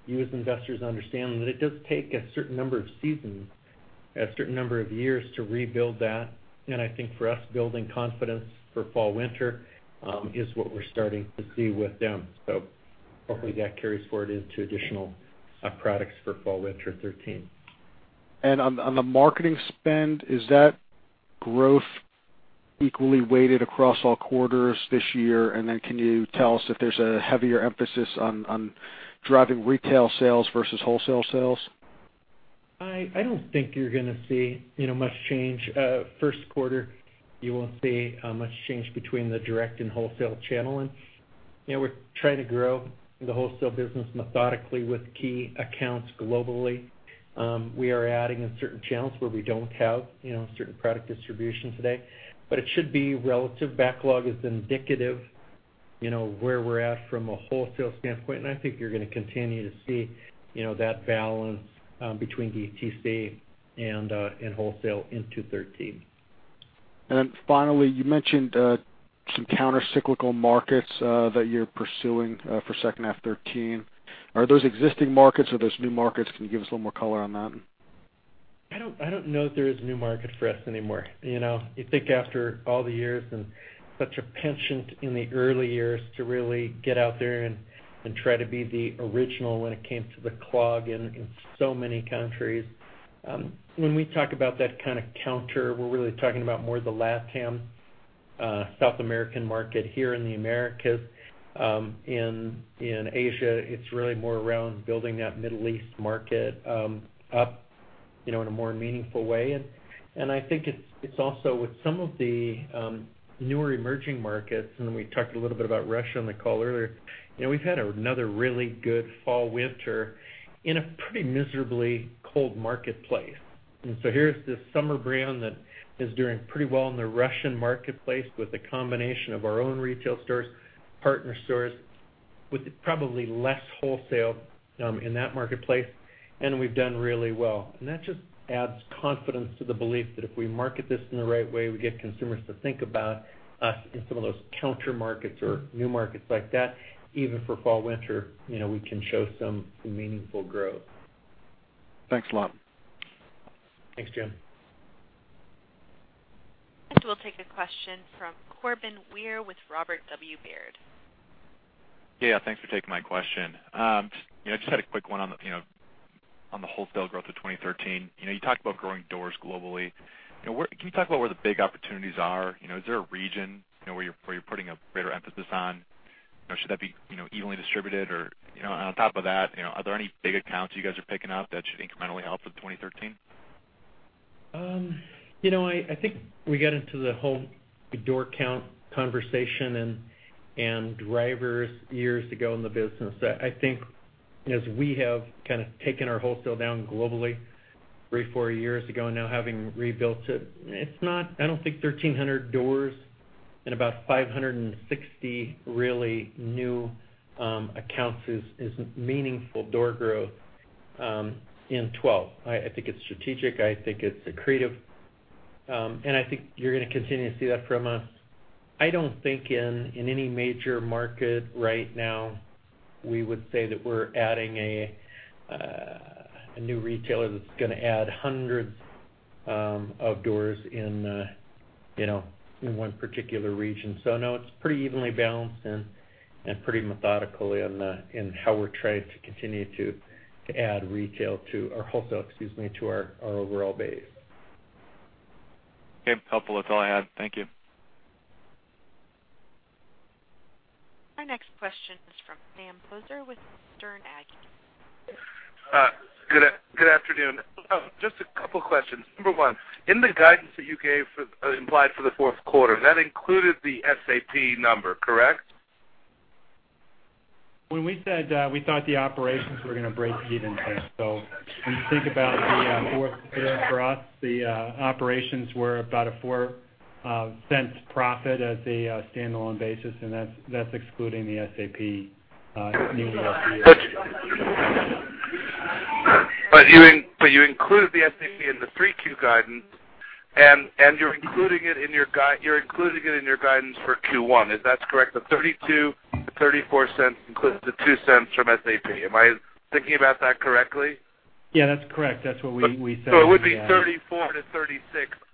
you, as investors, understand that it does take a certain number of seasons, a certain number of years to rebuild that. I think for us, building confidence for fall/winter is what we're starting to see with them. Hopefully, that carries forward into additional products for fall/winter 2013. On the marketing spend, is that growth equally weighted across all quarters this year? Can you tell us if there's a heavier emphasis on driving retail sales versus wholesale sales? I don't think you're going to see much change. First quarter, you won't see much change between the direct and wholesale channeling. We're trying to grow the wholesale business methodically with key accounts globally. We are adding in certain channels where we don't have certain product distribution today. It should be relative. Backlog is indicative where we're at from a wholesale standpoint. I think you're going to continue to see that balance between DTC and wholesale into 2013. Finally, you mentioned some counter-cyclical markets that you're pursuing for second half 2013. Are those existing markets or are those new markets? Can you give us a little more color on that? I don't know that there is new markets for us anymore. You think after all the years and such a penchant in the early years to really get out there and try to be the original when it came to the Clog in so many countries. When we talk about that kind of counter, we're really talking about more the LATAM, South American market here in the Americas. In Asia, it's really more around building that Middle East market up in a more meaningful way. I think it's also with some of the newer emerging markets, and we talked a little bit about Russia on the call earlier. We've had another really good fall/winter in a pretty miserably cold marketplace. Here's this summer brand that is doing pretty well in the Russian marketplace with a combination of our own retail stores, partner stores, with probably less wholesale in that marketplace. We've done really well. That just adds confidence to the belief that if we market this in the right way, we get consumers to think about us in some of those counter markets or new markets like that, even for fall/winter, we can show some meaningful growth. Thanks a lot. Thanks, Jim. Next, we'll take a question from Mitch Kummetz with Robert W. Baird & Co. Thanks for taking my question. Just had a quick one on the wholesale growth of 2013. You talked about growing doors globally. Can you talk about where the big opportunities are? Is there a region where you're putting a greater emphasis on? Should that be evenly distributed, and on top of that, are there any big accounts you guys are picking up that should incrementally help with 2013? I think we got into the whole door count conversation and drivers years ago in the business. I think as we have kind of taken our wholesale down globally three, four years ago, and now having rebuilt it. I don't think 1,300 doors and about 560 really new accounts is meaningful door growth in 2012. I think it's strategic, I think it's accretive. I think you're going to continue to see that from us. I don't think in any major market right now, we would say that we're adding a new retailer that's going to add hundreds of doors in one particular region. No, it's pretty evenly balanced and pretty methodical in how we're trying to continue to add wholesale, excuse me, to our overall base. Okay, helpful. That's all I had. Thank you. Our next question is from Sam Poser with Sterne Agee. Good afternoon. Just a couple questions. Number one, in the guidance that you gave, implied for the fourth quarter, that included the SAP number, correct? When we said we thought the operations were going to break even. When you think about the fourth quarter for us, the operations were about a $0.04 profit as a standalone basis, and that's excluding the SAP new ERP system. You included the SAP in the 3Q guidance, and you're including it in your guidance for Q1. Is that correct? The $0.32-$0.34 includes the $0.02 from SAP. Am I thinking about that correctly? Yeah, that's correct. That's what we said. It would be $0.34-$0.36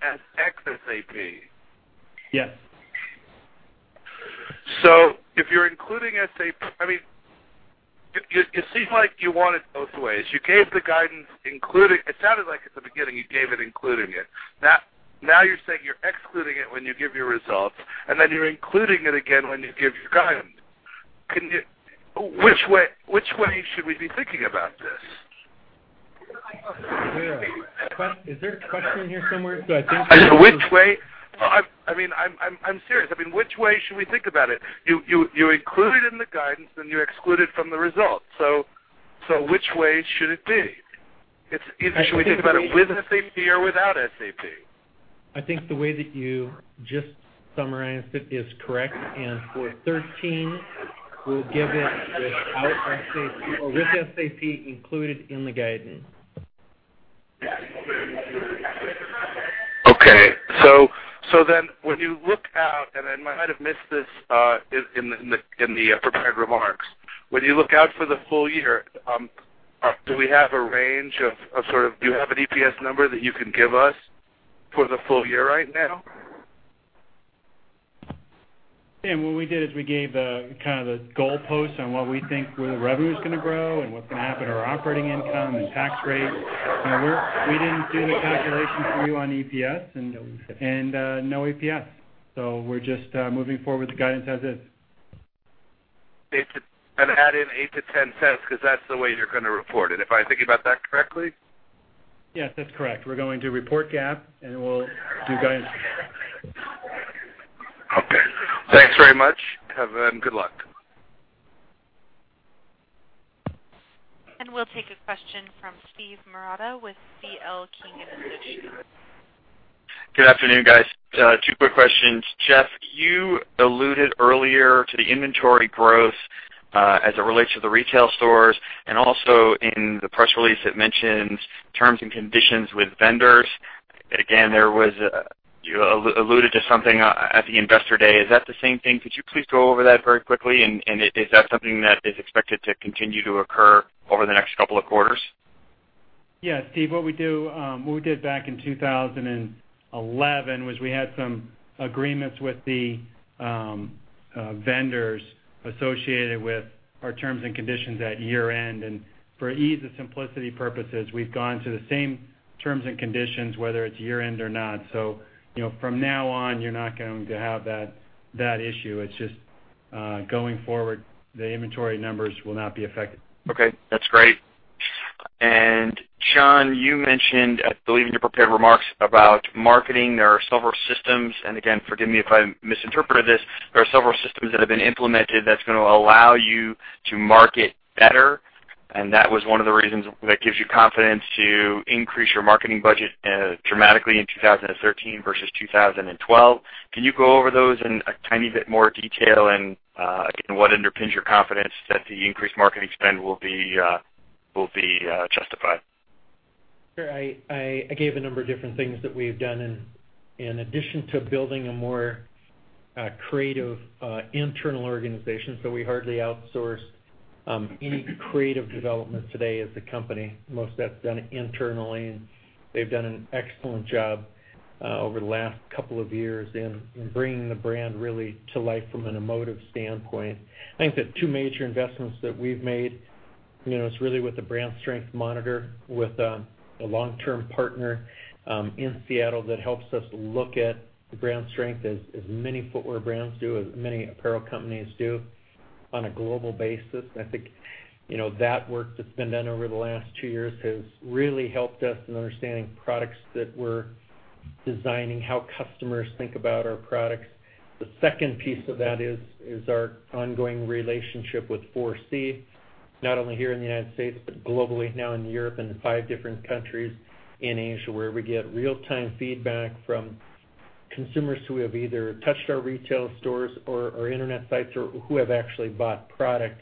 ex-SAP. Yes. If you're including SAP, it seems like you want it both ways. It sounded like at the beginning, you gave it including it. Now, you're saying you're excluding it when you give your results, and then you're including it again when you give your guidance. Which way should we be thinking about this? Is there a question in here somewhere? Which way? I'm serious. Which way should we think about it? You include it in the guidance, then you exclude it from the results. Which way should it be? Should we think about it with SAP or without SAP? I think the way that you just summarized it is correct. For 2013, we'll give it with SAP included in the guidance. When you look out, and I might have missed this in the prepared remarks, when you look out for the full year, do you have an EPS number that you can give us for the full year right now? What we did is we gave the goalposts on what we think the revenue is going to grow and what's going to happen to our operating income and tax rate. We didn't do the calculation for you on EPS and no EPS. We're just moving forward with the guidance as is. Add in $0.08-$0.10 because that's the way you're going to report it. Am I thinking about that correctly? Yes, that's correct. We're going to report GAAP. We'll do guidance. Okay. Thanks very much. Have a good luck. We'll take a question from Steve Marotta with C.L. King & Associates. Good afternoon, guys. Two quick questions. Jeff, you alluded earlier to the inventory growth, as it relates to the retail stores and also in the press release it mentions terms and conditions with vendors. Again, you alluded to something at the investor day. Is that the same thing? Could you please go over that very quickly? Is that something that is expected to continue to occur over the next couple of quarters? Yeah, Steve, what we did back in 2011 was we had some agreements with the vendors associated with our terms and conditions at year-end. For ease and simplicity purposes, we've gone to the same terms and conditions, whether it's year-end or not. From now on, you're not going to have that issue. It's just, going forward, the inventory numbers will not be affected. Okay, that's great. John, you mentioned, I believe, in your prepared remarks about marketing. There are several systems, and again, forgive me if I misinterpreted this. There are several systems that have been implemented that's going to allow you to market better, and that was one of the reasons that gives you confidence to increase your marketing budget dramatically in 2013 versus 2012. Can you go over those in a tiny bit more detail? Again, what underpins your confidence that the increased marketing spend will be justified? Sure. I gave a number of different things that we've done in addition to building a more creative internal organization. We hardly outsource any creative development today as a company. Most of that's done internally, and they've done an excellent job over the last couple of years in bringing the brand really to life from an emotive standpoint. I think that two major investments that we've made, it's really with the brand strength monitor, with a long-term partner in Seattle that helps us look at the brand strength as many footwear brands do, as many apparel companies do, on a global basis. I think that work that's been done over the last two years has really helped us in understanding products that we're designing, how customers think about our products. The second piece of that is our ongoing relationship with ForeSee, not only here in the U.S. but globally now in Europe and five different countries in Asia, where we get real-time feedback from consumers who have either touched our retail stores or our internet sites or who have actually bought product,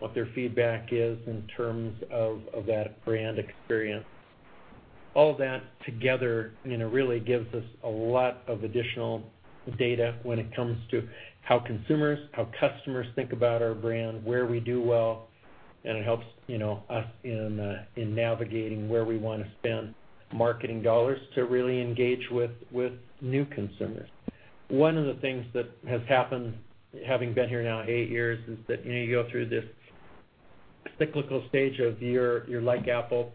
what their feedback is in terms of that brand experience. All that together really gives us a lot of additional data when it comes to how consumers, how customers think about our brand, where we do well. It helps us in navigating where we want to spend marketing dollars to really engage with new consumers. One of the things that has happened, having been here now eight years, is that you go through this cyclical stage of you're like Apple.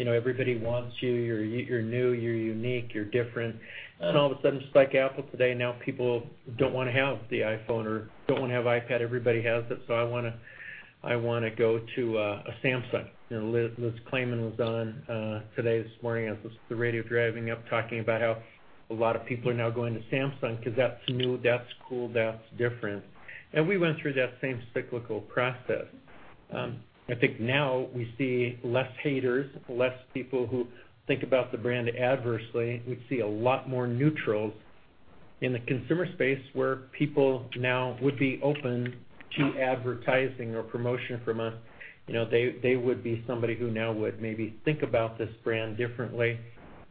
Everybody wants you. You're new, you're unique, you're different. All of a sudden, just like Apple today, now people don't want to have the iPhone or don't want to have iPad. Everybody has it. I want to go to a Samsung. Liz Claman was on today, this morning, I was listening to the radio driving up, talking about how a lot of people are now going to Samsung because that's new, that's cool, that's different. We went through that same cyclical process. I think now we see less haters, less people who think about the brand adversely. We see a lot more neutrals in the consumer space where people now would be open to advertising or promotion from us, they would be somebody who now would maybe think about this brand differently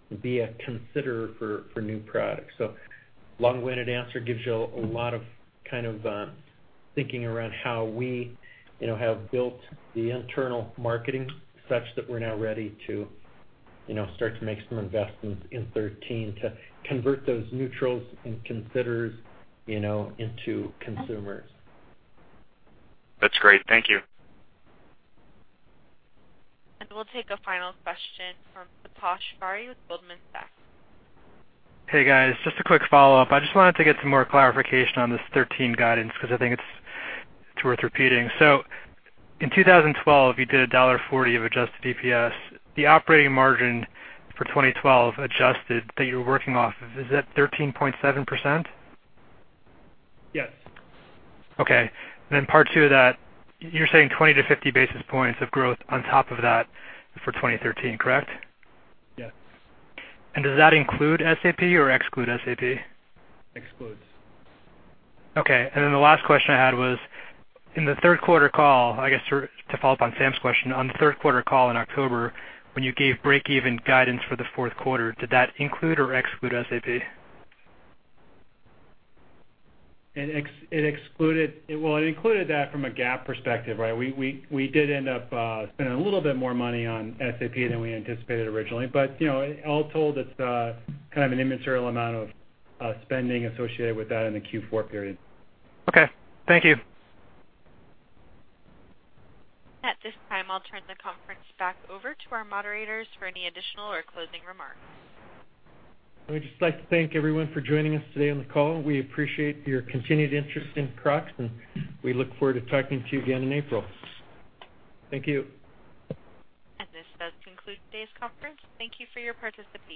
and be a considerer for new products. Long-winded answer gives you a lot of thinking around how we have built the internal marketing such that we're now ready to start to make some investments in 2013 to convert those neutrals and considerers into consumers. That's great. Thank you. We'll take a final question from Taposh Bari with Goldman Sachs. Hey, guys. Just a quick follow-up. I just wanted to get some more clarification on this 2013 guidance because I think it's worth repeating. In 2012, you did $1.40 of adjusted EPS. The operating margin for 2012 adjusted that you're working off of, is that 13.7%? Yes. Okay. Part two of that, you're saying 20 to 50 basis points of growth on top of that for 2013, correct? Yes. Does that include SAP or exclude SAP? Excludes. Okay. The last question I had was, in the third quarter call, I guess to follow up on Sam's question, on the third quarter call in October, when you gave breakeven guidance for the fourth quarter, did that include or exclude SAP? It included that from a GAAP perspective, right? We did end up spending a little bit more money on SAP than we anticipated originally. All told, it's an immaterial amount of spending associated with that in the Q4 period. Okay. Thank you. At this time, I'll turn the conference back over to our moderators for any additional or closing remarks. We'd just like to thank everyone for joining us today on the call. We appreciate your continued interest in Crocs, we look forward to talking to you again in April. Thank you. This does conclude today's conference. Thank you for your participation.